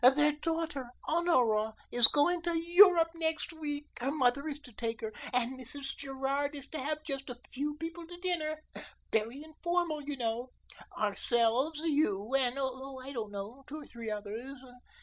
"Their daughter Honora is going to Europe next week; her mother is to take her, and Mrs. Gerard is to have just a few people to dinner very informal, you know ourselves, you and, oh, I don't know, two or three others.